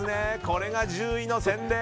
これが１０位の洗礼！